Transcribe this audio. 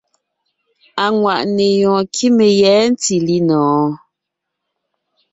Aŋwàʼne yɔɔn kíme yɛ̌ ntí linɔ̀ɔn?